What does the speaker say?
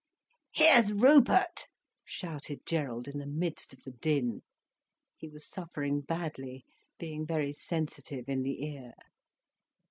"Here's Rupert!" shouted Gerald in the midst of the din. He was suffering badly, being very sensitive in the ear.